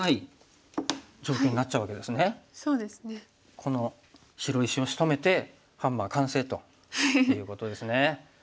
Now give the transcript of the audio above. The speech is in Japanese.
この白石をしとめてハンマー完成ということですね。